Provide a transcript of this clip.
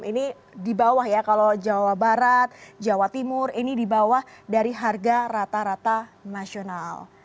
ini di bawah ya kalau jawa barat jawa timur ini di bawah dari harga rata rata nasional